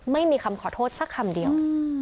ไม่มีคำขอโทษสักคำเดียว